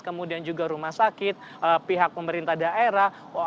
kemudian juga rumah sakit pihak pemerintah daerah